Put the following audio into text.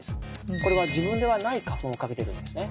これは自分ではない花粉をかけているんですね。